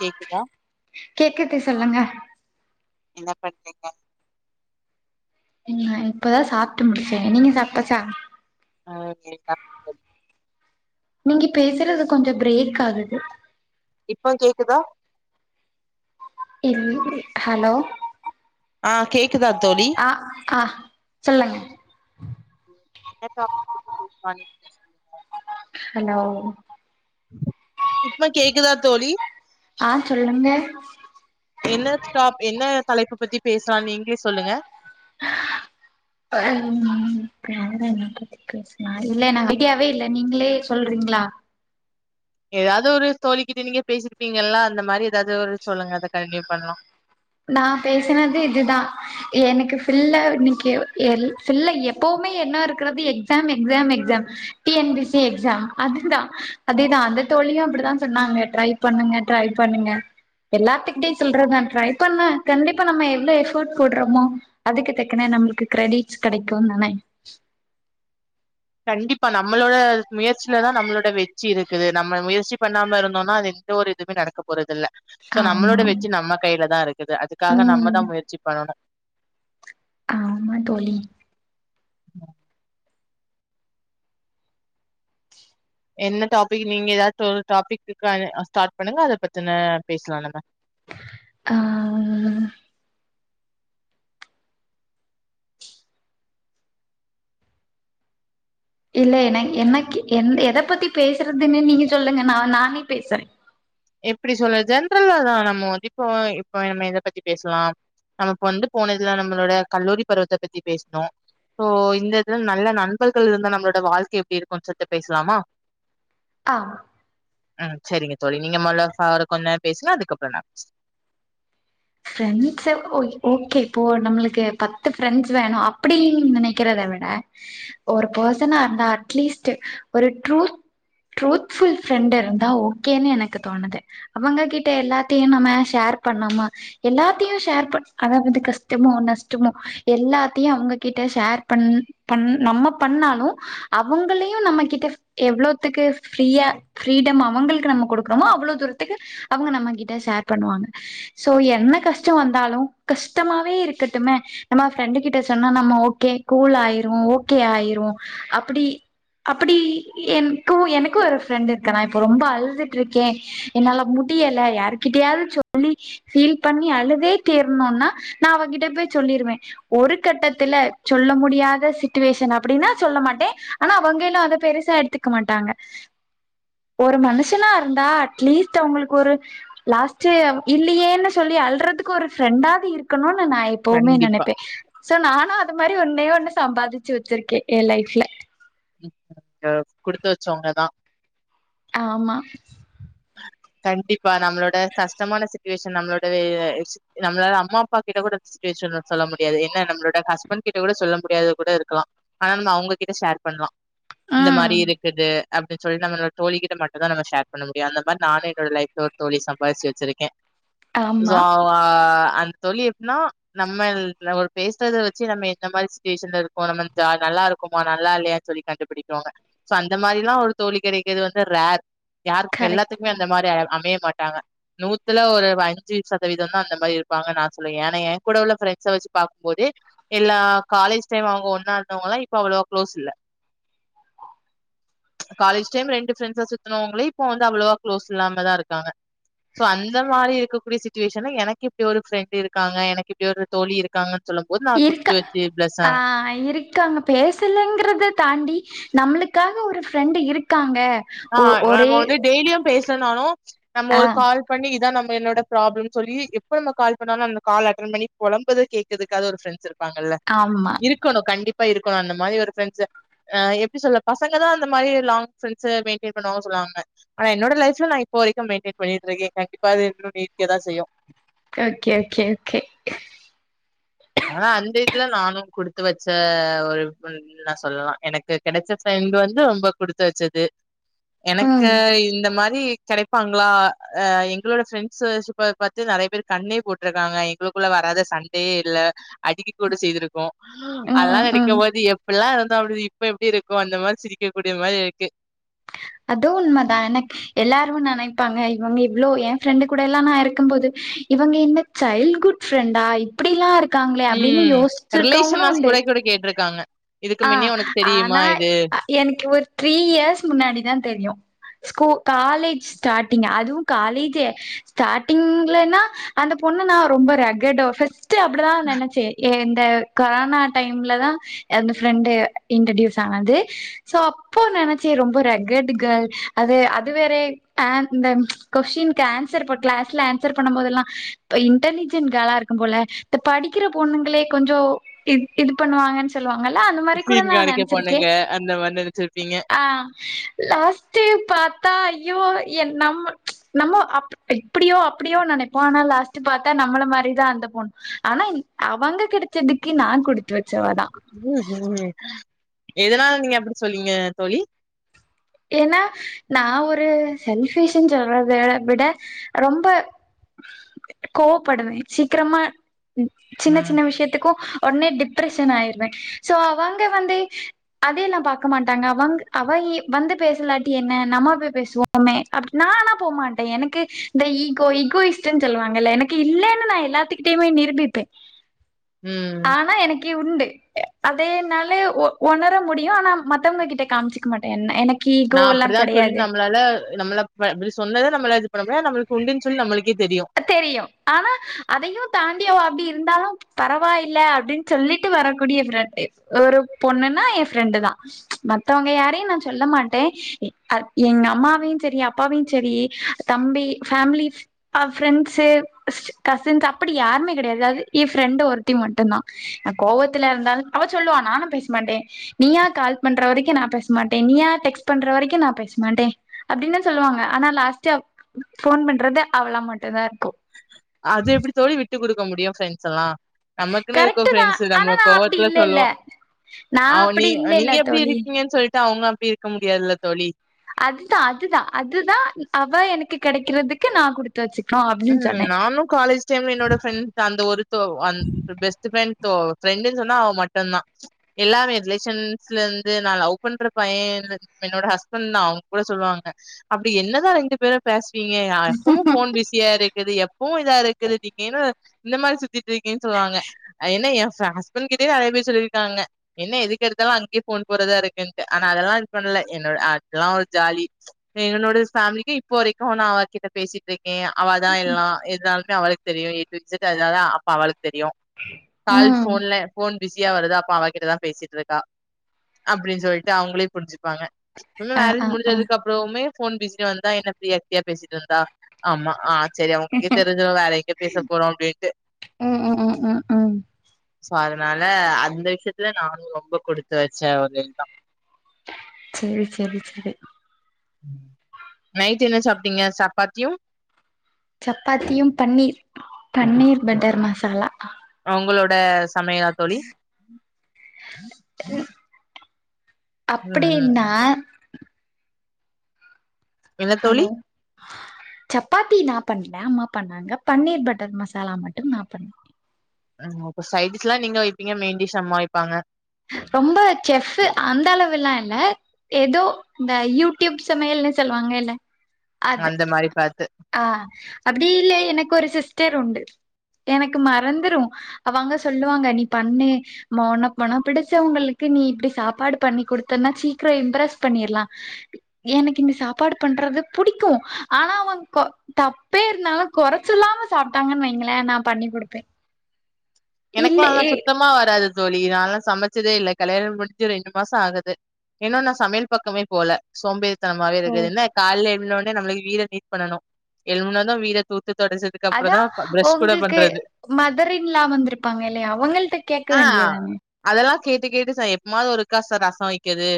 கேக்குதா கேக்குது சொல்லுங்க என்ன பண் ம் நா இப்பதா சாப்பிட்டு முடிச்சே நீங்க சாப்ட்டாச்சா ஆ ஓகே நீங்க பேசுறது கொஞ்ச பிரேக் ஆகுது இப்போ கேக்குதா இல் ஹலோ ஆ கேக்குதா தோழி ஆ ஆ சொல்லுங்க என்ன டாபிக் பத்தி பேசலா இன் ப்படி சொல்லுங்க ஹலோ இப்ப கேக்குதா தோழி ஆ சொல்லுங்க என்ன ஸ்டாப் என்ன தலைப்ப பத்தி பேசுலான்னு நீங்களே சொல்லுங்க ம் வேற என்ன பத்தி பேசலா இல்ல நா ஐடியாவே இல்ல நீங்களே சொல்றிங்ளா ஏதாவது ஒரு தோழிக்கிட்ட நீங்க பேசிருப்பீங்கல்லா அந்த மாரி ஏதாவது ஒரு சொல்லுங்க அத கண்டினியூ பண்ணலா நா பேசுனது இதுதா எனக்கு ஃபில்லா இன்னைக்கு எல் ஃபில்லா எப்பவுமே என்னா இருக்கறது exam exam exam T N P C exam அதுதா அதுதா அந்த தோழியு அப்படிதா சொன்னாங்க ட்ரை பண்ணுங்க ட்ரை பண்ணுங்க எல்லாத்துக்கிட்டயு சொல்றதுதா ட்ரை பண்ணா கண்டிப்பா நம்ம எவ்ள எஃபர்ட் போடுறமோ அதுக்கு தக்கன நம்மளுக்கு க்ரெடிட்ஸ் கெடைக்கும் தானே கண்டிப்பா நம்மளோட முயற்சியிலதா நம்மளோட வெற்றி இருக்குது நம்ம முயற்சி பண்ணாம இருந்தோனா அது எந்த ஒரு இதுவுமே நடக்க போறதில்ல சோ நம்மளோட ஆமா வெற்றி நம்ம கையில தா இருக்குது அதுக்காக ம் நம்மதா முயற்சி பண்ணணு ஆமா தோழி என்ன டாபிக் நீங்க ஏதாச்சு ஒரு டாப்பிக்கு அத ஸ்டார்ட் பண்ணுங்க அத பத்தின பேசலா நம்ம ஆ இல்ல என எனக்கு என் எத பத்தி பேசுறதுன்னு நீங்க சொல்லுங்க நா நானே பேசுறே எப்டி சொல்லற ஜென்ரல்லா தா நம்ம வ இப்போ இப்ப நம்ம எத பத்தி பேசலாம் நம்ம வந்து போன இதுலா நம்மளோட கல்லூரி பருவத்த பத்தி பேசினோ சோ இந்த இதுல நல்ல நண்பர்கள் இருந்தா நம்மளோட வாழ்க்க எப்டி இருக்குன்னு சொல்ட்டு பேசலாமா? ஆ அ சேரிங்க தோழி நீங்க மொதல்ல ஃபாரு கொஞ்ச நேரோ பேசலா அதுக்கப்புறோ நா பேசற ஃப்ரெண்ட்ஸ்சே ஓ ஓகே இப்போ நம்மளுக்கு பத்து ஃப்ரெண்ட்ஸ் வேணும் அப்பக்ஷடின்னு நினைக்கிறத விட ஒரு பெர்சனா இருந்தா அட்லீஸ்ட்டு ஒரு ட்ரூத் ட்ரூத்ஃபுல் ஃப்ரெண்டு இருந்தா ஓகேன்னு எனக்கு தோணுது அவங்க கிட்ட எல்லாத்தியு நம்ம ஷேர் பண்ணமா எல்லாத்தியு ஷேர் பண் அதாவது கஷ்டமோ நஷ்டமோ எல்லாத்தையு அவங்க கிட்ட ஷேர் பண் பண் நம்ம பண்ணாலு அவங்களையு நம்ம கிட்ட எவ்ளோத்துக்கு ஃப்ரீயா ஃப்ரீடம் அவுங்களுக்கு நம்ம கொடுக்குறோமோ அவ்ளோ தூரத்துக்கு அவங்க நம்ம கிட்ட ஷேர் பண்ணுவாங்க சோ என்னக் கஷ்ட வந்தாலு கஷ்டமாவே இருக்கட்டுமே நம்ம ஃப்ரெண்டு கிட்ட சொன்னா நம்ம ஓகே கூல் ஆயிருவோ ஓகே ஆயிரு அப்டி அப்படி எண்ணுக்கு எனக்கு ஒரு ஃப்ரெண்டு இருக்க நா இப்போ ரொம்ப அழுதுட்டு இருக்கே என்னால முடியல யாருகிட்டையாவது சொல்லி ஃபீல் பண்ணி அழுதே தீர்ணுன்னா நா அவகிட்ட போய் சொல்லிருவே ஒரு கட்டத்துல சொல்ல முடியாத சுட்டுவேஷன் அப்டின்னா சொல்ல மாட்டே ஆனா அவங்கைல்லா அத பெருசா எடுத்துக்க மாட்டாங்க ? ஒரு மனுஷனா இருந்தா அட்லீஸ்ட் அவுங்குளுக்கு ஒரு லாஸ்ட்டு இல்லையேன்னு சொ சொல்லி அல்றதுக்கு ஒரு ஃப்ரெண்டாது இருக்கணுன்னு நா எப்பவுமே கண்டிப்பா நனைப்பே சோ நானு அது மாரி ஒன்னே ஒன்னு சம்பாதிச்சு வச்சிருக்கே எ லைஃப்ல ம் ங்க குடுத்து வச்சவுங்கதா ஆமா ஆஹ கண்டிப்பா நம்மளோட கஷ்டமான சுச்சுவேஷன் நம்மளோடவே நம்மளாள அம்மா அப்பா கிட்ட கூட சுச்வேஷன சொல்ல முடியாது என்ன நம்மளோட ஹஸ்பண்டு கிட்ட கூட சொல்ல முடியாத கூட இருக்கலா ஆனா நாம அவுங்ககிட்ட ஷேர் பண்லா இந்த மாரி ம் இருக்குது அப்டின் சொல்லி நம்மளோட தோழிகிட்ட மட்டுதா நம்ம ஷேர் பண்ண மு நியு அந்த மாரி நானு என்னோட லைஃப்ல ஒரு தோழி சம்பாரிச்சு வச்சிருக்கே சோ ஆமா ஆ அந் தோழி எப்னா நம்மல் நம்ம பேசுறத வச்சே நம்ம எந்த மாரி சுட்டுவேஷன்ல இருக்கோ நம்ம ஜ நல்லா இருக்கோமா நல்லா இல்லையன்னு சொல்லி கண்டுபிடிக்குவாங்க சோ அந்த மாரியில்லா ஒரு தோழி கிடைக்கிறது வந்து ரேர் யாருக் கரெக்ட் எல்லாத்துக்குமே இந்த மாரி யாரு அமைய மாட்டாங்க நூத்துல ஒரு அஞ்சு சதவீதோந்த அந்த மாரி இருப்பாங்க நா சொல்லுவே ஏனா எ கூட உள்ள ஃப்ரெண்ட்ஸ வச்சு பாக்கும்போதே எல்லா காலேஜ் டைம் அவுங்க ஒன்னா இருந்தவுங்கல்லா இப்ப அவ்ளோவா குளோஸ் இல்ல காலேஜ் டைம் ரெண்டு ஃப்ரெண்ட்ஸா சுத்துனவுங்களே இப்போ வந்து அவ்ளோவா குளோஸ் இல்லாம தா இருக்காங்க சோ அந்த மாரி இருக்க கூடிய சுச்சுவேஷன்ல எனக்கு இப்டி ஒரு ஃப்ரெண்டு இருக்காங்க எனக்கு இப்டி ஒரு தோழி இருக் காங்கன்னு சொல்லும் போது நா குடுத்து வச்சு பிளஸ் ஆ ட்டு அங்க பேசலங்குறது தாண்டி நம்மளுக்காக ஒரு ஃப்ரெண்டு இருக்காங்க ஆ ஒ நம்ம ஒரே வந்து டெய்லியு பேசலனாலு நம்ம ஆ ஒரு கால் பண்ணி இதா நம்ம என்னோட ப்ராப்ளம் சொல்லி எப்ப நம்ம கால் பண்ணாலு அந்த கால் அட்டன் பண்ணி புழம்புறத கேக் இதுக்காது ஒரு ஃபிரெண்ஸ் இப்பாங்கல்ல ஆம்மா இருக்கணு கண்டிப்பா இருக்கணு அந்த மாரி ஒரு ஃபிரெண்ஸு அ எப்டி சொல்ல பசங்கதா அந்த மாரி லாங் ஃபிரெண்ஸு மெய் டெய்ன் பண்ணுவாங்க சொல்லுவாங்க ஆனா என்னோட லைஃப்ல நா இப்ப வரைக்கும் மெய்ன்டெய்ன் பண்ணிட்ருக்கேங்க கண்டிப்பா அது எங்குளோடு இருக்கதா செய்யு ஓகே ஓகே ஓகே ஆ அந்த இதுல நானு குடுத்து வச்ச ஒரு பொன்னு ன்னா சொல்லலா எனக்கு கெடைச்ச ஃபிரெண்டு வந்து ரொம்ப குடுத்து வச்சது ம். எனக்கு இந்த மாரி கெடைப்பாங்ளா அ எங்குளோட ஃபிரெண்ஸு ஸிப்ப பத்தி நெறைய பேரு கண்ணே போட்ருக்காங்க எங்ளு குள்ள வராதா சண்டயே இல்ல அடிக்க கூட செய்திருக்கோ ம், அதலா ம், ம். நெனைக்கும்போது எப் புலா இருந்தோ அப்டி இப்ப எப்டி இருக்கோ அந்த மாரி சிரிக்க கூடிய மாரி இருக்கு அதூ உண்மதா எனக் எல்லாரு நெனைப்பாங்க இவுங்க இவ்ளோ என் ஃபிரெண்டு கூடலா நா இருக்கும்போது இவங்க இந்த சைல்டுஹூட் ஃபிரெண்டா இப்டிலா இருக்காங்ளே அப்டின்னு யோசிர்க்கவ்ங்குளு உண்டு இப்டி கேட்ருக்காங்க இதுக்கு ஆ முன்னே உனக்கு தெரியுமா ஆனா இது எனக்கு ஒரு த்ரீ இயர்ஸ் முன்னாடிதா தெரியு ஸ்கூ காலேஜ் ஸ்டாடிங் அதுவு காலேஜு ஸ்டாடிங்லனா அந்த பொண்ணு நா ரொம்ப ரகடோ ஃபஸ் ட்டு அப்டிதா நெனச்சே இவ இந்த கொரனா டைம்லதா இந்த ஃபிரெண்டு இன்ட்ரடியூஸ் ஆனது சோ அப்போ நெனைச்சே ரொம்ப ரக்கடு கேள் அது அது வேறே பேன் இந்த கொஸ்டினுக்கு ஆன்சர் போட்ல கிளாஸ்ல ஆன்சர் பண்ணம் போதெல்லா ப இன்ட்டலிஜெண் கேளா இருக்கும் போல த படிக்கிற பொண்ணுங்குளே கொஞ்சோ இன் இது பண்ணுவாங்கன் சொல்லுவா ங்களா அந்த மாரி கூட சீன் நா காமிக்க போனங்க நென்ச்சிருக்கேன் அந்த மாரி நெனச்சிருப்பீங்க ஆ லாஸ்ட்டு பாத்தா ஐயோ என் நம்மு நம்மோ அப் டி இப்பிடியோ அப்பிடியோ நெனைப்போ ஆனா லாஸ்ட்டு பாத்தா நம்மள மாரிதா அந்த பொண் ஆனா இன் அவங்க கெடைச்சதுக்கு நா குடுத்து வச்சவதா ம் ஹும் எதுனால நீங்க அப்புடி சொல்வீங்க தோழி ஏனா நா ஒரு செல்பிஷன்னு சொல்றத அத விட ரொம்ப கோவ்படுவே சீக்ரமா ம் சின்ன ம், சின்ன விஷ்யத்துக்கூ ஒட்னே டிப்ரஷன் ஆய்ர்வே சோ அவங்க வந்து அதையெல்லா பாக்க மாட்டாங்க அவங் அவயி வந்து பேசலாட்டி என்ன நம்ம போய் பேசுவோமே அப்டி நா ஆனா போமாட்டே எனக்கு இந்த ஈகோ இகோயிஷ்டுன் சொல்லுவாங்கல எனக்கு இல்லனு நா எல்லாத்துக்கிட்டையுமே நிருபிப்பே ம். ஆனா எனக்கி உண்டு அதே என்னாலே ஒ ஒணர முடியு ஆனா மத்தவ்ங்ககிட்ட காம்ச்சுக்கு மாட்டே என்ன எனக் கி ஈகோலா கெடையாது னால நம்மள ப இப்டி சொன்னது நம்மள இது பண்ண முடியா நம்ளுக்கு உண்டுன் சொல் நம்மளுக்கே தெரியு தெரியு ஆனா அதையு தாண்டி அவ அப்டி இருந்தாலு பரவாயில்ல அப்டின் சொல்லிட்டு வரக்கூடிய ஃபிரெண்டு ஒரு பொண்ணுனா என் ஃபிரெண்டுதா மத்தவ்ங்க யாரையு நான் சொல்ல மாட்டே எ அத் எங்க அம்மாவையு செரி அப்பாவையு செரி தம்பி ஃபேமிலி அ ஃபிரெண்ஸு பஸ்ட்டு கசின்ஸ் அப்டி யாருமே கெடையாது அது என் ஃபிரெண்டு ஒருத்தி மட்டுந்தா நா கோவத்துல இருந்தாலு அவ ச்சொல்லுவா நானு பேஸ்மாட்டே நீயா கால் பண்ற வரைக்கு நா பேஸ்மாட்டே நீயா டெக்ஸ் பண்ற வரைக்கு நா பேஸ் மாட்டே அப்டின்னு சொல்லுவாங்க ஆனா லாஸ்ட்டாவ் ஃபோன் பண்றதே அவளா மட்டுதா இருக்கு அது எப்டி தோழி விட்டு குடுக்க முடியு ஃப்ரெண்ஸ் எல்லா நமக்குன்னு இருக்கு கரெக்ட்டு தா ஃப்ரெண்ஸு ஆனா நம்ம நா அப்டி கோவத்துல இல்லல்ல சொல்லு நா அவ நீ அப்டி இல்லல்ல நீங்க எப்டி தோழி இருக்கீங்கன் சொல்லிட்டு அவ்ங்க அப்டி இருக்க முடியாதுல்ல தோழி அதுதா அதுதா அதுதா அவ எனக்கு கிடைக்கிறதுக்கு நா குடுத் தச்சிக்னு அப் ம் நானு காலேஜ் ச்சம் என்னோட ஃப்ரெண்ட் அந்த ஒருத்தோவ் அந் பெஸ்ட்டு ஃப்ரெண் தோ ஃப்ரெண்டுன் சொன்னா அவ் மட்டுன்னா எல்லாவேஜ் ரிலேஷன் ஸ்லந்து நா லவ் பண்ற பையேனு என்னோட ஹஸ்பண்னா அவ்ங் கூட சொல்லுவாங்க அப்டி என்னதா ரெண்டு பேரு பேஸ்வீங்க அ எப்பமு ஃபோன் பிஸியா இருக்குது எப்பவு இதா இருக்குது நீ கேனு இந்த மார் சுத்திட்ருக்கின் சொல்வாங்க அ எனா எ ஃபே ஹஸ்பண் கிட்டயே நறையா பேர் சொல்லிருக்காங்க என்ன எதுக் எடுத்தாலு அங்யே ஃபோன் போறதா இருக்குன்ட்டு ஆனா அதெல்லா இது பண்ல என்னோட் அத்லா ஒரு ஜாலி எ என்னோட ஃபேமிலிக்கி இப்போ வரைக்கு நா அவ கிட்ட பேசிட்ருக்கேயா அவாதா எல்லா இதாலுமே அவளுக் தெரியு ஏ பிக்ஸுடு அததா அப்பா அவாளுக் தெரியு கால் ம் ஃபோன்லே போன் பிஸியா வருதா அப்பா அவாகிட்டதா பேசிட்ருக்கா அப்டின் சொல்ட்டு அவ்ங்ளே புரிஞ்சிப்பாங்க இனு ஆ மேரேஜ் ஆ ஆ முடிஞ்சதுக்கப்றோமே ஃபோன் பிசிட்டு வந்தா என்ன ஃப்ரியா இர்க்கியா பேசிட்ருந்தா ஆமா ஆத் சரி அவுங்க்கே தெரிஞ்சிரு வேற எங்க பேச போறோ அப்டின்ட்டு ம் ம் ம் ம் ம் சோ அதனால அந்த விஷ்யத்துல நானு ரொம்ப கொடுத்து வச்சே ஒரேய் தா ச்சேரி ச்சேரி ச்சேரி நைட் என்ன சாப்ட்டீங்க சப்பாத்யு சப்பாத்தியு பன்னீர் பன்னீர் பட்டர் மசாலா உங்களோட சமையலா தோழி ட்ருன் ம் அப்படின்னா என்ன ஹலோ தோழி? சப்பாத்தி நா பண்ண அம்மா பண்ணாங்க பன்னீர் பட்டர் மசாலா மட்டும் நா பண் அன் அப்போ சைடிஸ்லா நீங்க வைப்பீங்க மெய்ன் டிஷ் அம்மா வைப்பாங்க ரொம்ப செஃப்பு அந்த அளவுல்லா இல்ல எதோ இந்த யூடியூப் சமையல்னு சொல்லுவாங்க எல அந்த மாரி பாத்து ஆ அப்டி இல்லை எனக்கு ஒரு சிஸ்டர் உண்டு எனக்கு மறந்துரு அவங்க சொல்லுவாங்க நீ பண்ணு மௌனோ பனம் பிடிச்சவங்களுக்கு நீ இப்டி சாப்பாடு பண்ணி குடுத்தன்னா ச்சீக்ரோ இம்ப்ரெஸ் பண்ணிர்லா எனக்கு இங்கு சாப்பாடு பண்றது புடிக்கு ஆனா அவன் கொ தப்பே இருந்தாலு கொறச்சொல்லாம சாப்ட்டாங்கன் வைங்களே நா பண்ணி குடுப்பே இல்ல எனக்கெல்லா அதல்லா ஏ சுத்தமா வராது தோழி நாளா சமச்சதே இல்ல கல்யாண முடிஞ்சி ரெண்டு மாச ஆகுது இன்னு நா சமையல் பக்கமே போல சோம்பேத்தனமாவே இருக்குதுன்னே கால்ல எவ்னோனே நம்ளு வீர நீ்ட் பண்ணணு எழுமுனாதா வீர தூத்து தொடச்சது அதா கப்றதா பா ப்ரஷ் கூட உங்களுக்கு பண்றது மதர் இன் லா வந்துருப்பாங்க இல்யா அவங்கள்ட்ட கேக்க ஆ வேண்டியதானே அதெல்லா கேட்டு கேட்டு சா எப்மாவது ஒருக்கா சா ரசோ வெக்கது.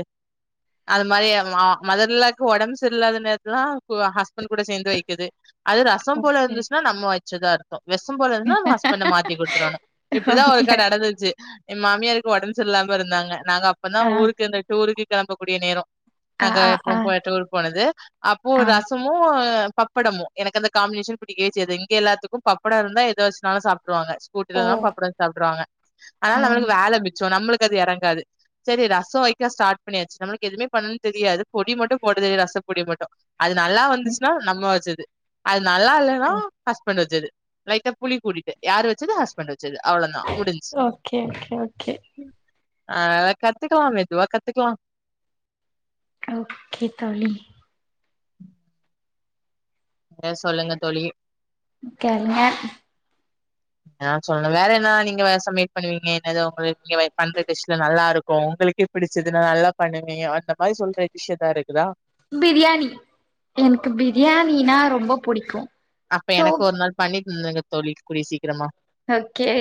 அதுமாரி மா மதர்ல்லாக்கு ஒடம் சரியில்லாத நேரத்துலா கு ஹஸ்பண்கூட சேந்து வெக்குது. அது ரசம் போல ஓகே இருந்துச்சுன்னா நம்ம வெச்சதா அர்த்தோ. வெசம் போல இருந்துனா நம் ஹஸ்பண்ட மாத்தி குடுத்தரோணு. இப்பிடிதா ஓகே ஒருக்கா நடந்துச்சு எ மாமியார்க்கு ஒடம்பு சரி இல்லாம இருந்தாங்க நாங்க அப்பதா ஆ ஊருக்கு இந்த டூருக்கு கெளம்பக்கூடிய நேரோ ஆ நாங்க ஆ ஆ எப்பும்போல டூர் போனது அப்போ ஆ ரசோ மு பப்படமு எனக்கு அந்த காம்பினேஷன் பிடிக்கவே செய்து இங்க எல்லாத்துக்கு பப்படோ இருந்தா எத வெச்சுனாலு சாப்புடுவாங்க. ஸ்கூ ஓ இல்லனா பப்படோ வெச் சாப்ட்ருவாங்க. அதனால் நம்மளுக்கு வேல மிச்சோ நம்முளுக்கு அது எறங்காது. செரி ரசோ வெக்க ஸ்டாட் பண்ணியாச்சு நம்மளுக் எதுமே பண்னுன் தெரியாது பொடி மட்டு போட தெரியு ரசப் பொடிய மட்டு. அது நல்லா ஆ வந்துச்னா நம்ம வெச்சது. அது நல்லா இல்லன்னா ஹஸ்பண்ட் வெச்சது. லைட்டா புளி கூடிட்டு யார் வெச்சது ஹஸ்பண்ட் வெச்சது அவ்ளன்னா முடிஞ்ச்சு. ஓகே ஓகே ஓகே அதலா கத்துக்கலா மெதுவா கத்துக்கலா. ஓக்கே தோழி. வேற சொல்லுங்க தோழி. தெர்ல. நீங்கதா சொல்ணு வேற என்னா நீங்க வேற சமையல் பண்ணுவீங்க என்னது உங்குளு நீங்க வெ பண்ற டிஸ்ல நல்லாருக்கு உங்குளுக் கே பிடிச்சது நா நல்லா பண்ணுவே எ அந்த மாரி சொல்ற டிஷ் எதா இருக்குதா? பிரியாணி எனக்கு பிரியாணினா ரொம்ப புடிக்கு. அப்ப சோ எனக்கு ஒரு நாள் பண்ணி தந்துருங்க தோழி கூடிய சீக்கிரமா. ஓக்கே.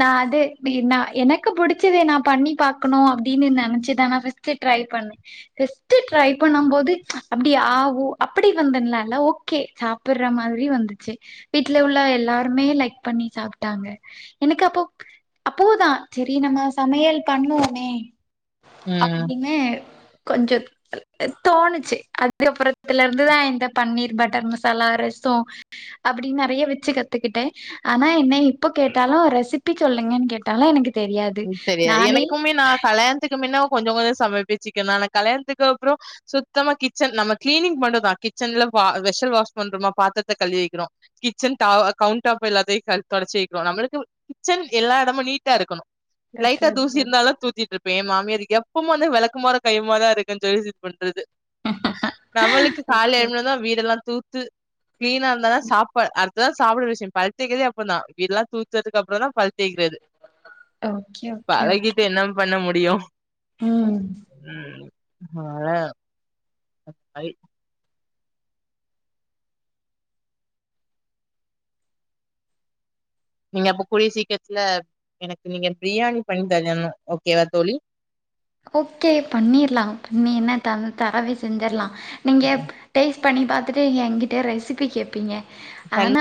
நா அது பி நா எனக்கு புடிச்சது நா பண்ணி பாக்கணு அப்டினு நெனைச்சுதா நா ஃபஸ் ட்டு ட்ரை பண்ணே. டெஸ்ட்டு ட்ரை பண்ணம் போது அப்டி ஆ ஊ அப்டி வந்தன்லா இல்ல ஓ க்கே சாப்பட்ற மாதிரி வந்துச்சு வீட்ல உள்ள எல்லாருமே லைக் க் பண்ணி சாப்ட்டாங்க எனக்கு அப்போ அப்போதா செரி நம்ம சமையல் பண்ணுவோமே ம் அப்டின்னு கொஞ்சொத் அ அ தோணுச்சு அதுக்கப்புறத்துல இருந்துதா இந்த பன்னீர் பட்டர் மசாலா ரெசோ அப்பிடி நெறைய வெச்சு கத்துக்கிட்டே. ஆனா என்ன இப்ப கேட்டாலு ரெசிபி சொல்லுங்கன் கேட்டாலு எனக்கு தெரியாது ம் தெரியாது நானே எனக்குமே நா கல்யாண்த்துக்கு மின்ன கொஞ்சொ கொஞ்சொ சமப்பே சிக்கன் ஆனா கல்யாண்த்துக்கு அப்றோ சுத்தமா கிச்சன் நம்ம கிளீனிங் மட்டுதா கிச்சன்ல வா வெஷ்ஷல் வாஷ் பண்றோமா பாத்திரத்த கழுவி வெக்கிறோ. கிச்சன் ட கவுண்ட் டாப் எல்லாத்தையு க தொடச்சி வெக்கோ நம்மளுக்கு கிச்சன் எல்லா எடமு நீட்டா இருக்கணு. ஓகே லைட்டா தூசி ஓகே இருந்தாலு தூத்திட்டு இருப்பே எ மாமியாரு எப்புமா வந்து வெளக்குமாரு கையுமாதா இருக்கன் சொல்லி சி பண்றது நம்மளுக்கு கால்ல ஓகே எழும்புனது வீடெல்லாந் தூத்து கிளீனா இருந்தாதா சாப்பா அட் துதா சாப்ட்ற விஷ்யம் பல்த்தேக்கிறத அப்றந்தா வீடெல்லா தூத்துறதுக்கு அப்றோதா பல் தேக்கிறது. ஓகே ஓ பழகிட்டு என்ன பண்ண முடியு ம் ம் அனால ஐ நீங்க அப்ப கூடிய சீக்ரத்துல எனக்கு நீங்க பிரியாணி பண்ணி தரணு ஓகேவா தோழி? ஓகே பண்ணிர்லா பண்ணி என்ன தவ தரவே செஞ்சர்லா ம். நீங்கப் டேஸ்ட் பண்ணி பாத்துட்டு எங்கிட்ட ரெசிபி கேப்பீங்க ஆனா தண்ணி